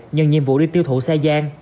nhận nhiệm vụ đi tiêu thụ xe gian